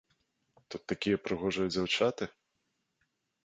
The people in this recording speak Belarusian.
Тут такія прыгожыя дзяўчаты.